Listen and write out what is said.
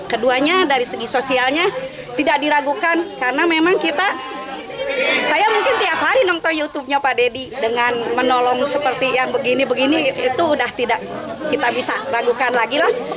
keduanya dari segi sosialnya tidak diragukan karena memang kita saya mungkin tiap hari nonton youtubenya pak deddy dengan menolong seperti yang begini begini itu udah tidak kita bisa ragukan lagi lah